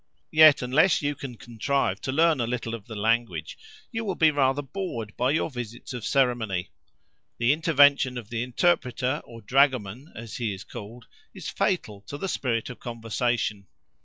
Yet unless you can contrive to learn a little of the language, you will be rather bored by your visits of ceremony; the intervention of the interpreter, or dragoman as he is called, is fatal to the spirit of conversation.